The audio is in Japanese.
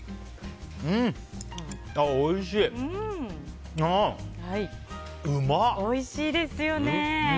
おいしいですよね。